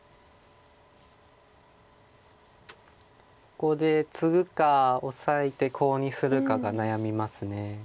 ここでツグかオサえてコウにするかが悩みます。